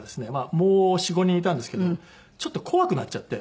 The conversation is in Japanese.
もう４５人いたんですけどちょっと怖くなっちゃって。